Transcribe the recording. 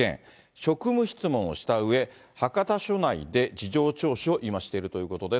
職務質問をしたうえ、博多署内で事情聴取を今、しているということです。